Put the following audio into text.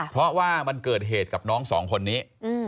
เพราะว่ามันเกิดเหตุกับน้องสองคนนี้